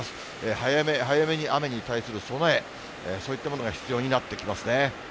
早め早めに雨に対する備え、そういったものが必要になってきますね。